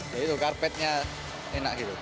jadi tuh karpetnya enak gitu